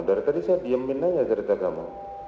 dari tadi saya diemin aja cerita kamu